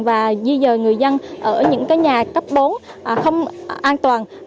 và di dời người dân ở những nhà cấp bốn không an toàn